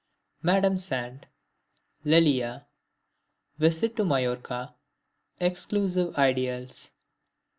Madame Sand Lelia Visit to Majorca Exclusive Ideals.